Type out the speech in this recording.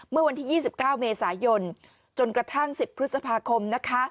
เมื่อวันที่๒๙เมษายนจนกระทั่ง๑๐พฤษภาคมนะคะ